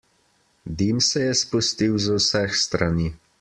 Dim se je spustil z vseh strani.